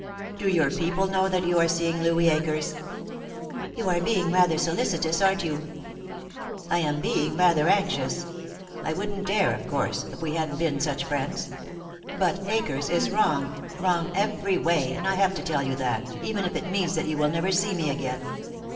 "Do your people know that you are seeing Louis Akers!" "You are being rather solicitous, aren't you?" "I am being rather anxious. I wouldn't dare, of course, if we hadn't been such friends. But Akers is wrong, wrong every way, and I have to tell you that, even if it means that you will never see me again.